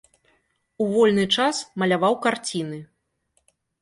У вольны час маляваў карціны.